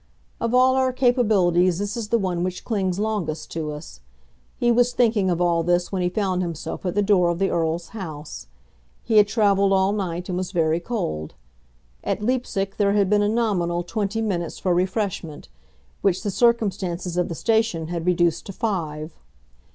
Of all our capabilities this is the one which clings longest to us. He was thinking of all this when he found himself at the door of the Earl's house. He had travelled all night, and was very cold. At Leipsic there had been a nominal twenty minutes for refreshment, which the circumstances of the station had reduced to five.